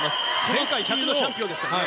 前回１００のチャンピオンですからね。